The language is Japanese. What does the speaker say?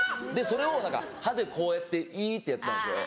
それを歯でこうやっていってやったんですよ。